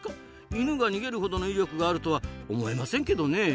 イヌが逃げるほどの威力があるとは思えませんけどねえ。